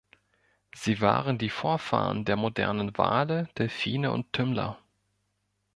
Sie waren die Vorfahren der modernen Wale, Delfine und Tümmler.